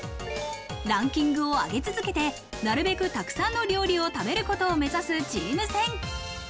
ランキングを上げ続けて、なるべく沢山の料理を食べることを目指すチーム戦。